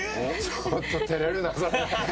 ちょっと照れるな。